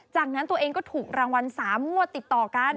จากนั้นตัวเองก็ถูกรางวัล๓งวดติดต่อกัน